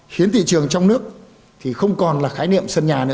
khiến thị trường trong nước không còn là khái niệm